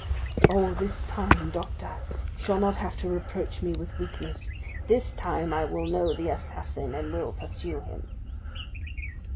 "Oh, this time, doctor, you shall not have to reproach me with weakness. This time I will know the assassin, and will pursue him."